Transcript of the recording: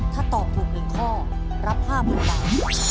ถ้าตอบถูก๑ข้อรับ๕๐๐๐บาท